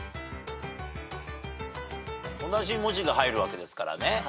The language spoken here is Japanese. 同じ文字が入るわけですからね。